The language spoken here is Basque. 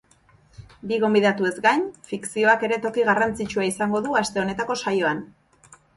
Bi gonbidatuez gain, fikzioak ere toki garrantzitsua izango du aste honetako saioan.